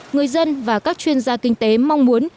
người dân và các chuyên gia kinh tế mong muốn